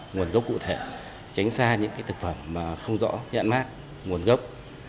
nguồn gốc cụ thể tránh xa những thực phẩm không rõ nhãn mát nguồn gốc